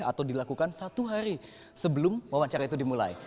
atau dilakukan satu hari sebelum wawancara itu dimulai